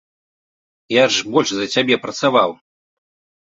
Я ж больш за цябе працаваў.